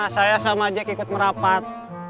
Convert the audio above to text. saya sama jack ikut merapat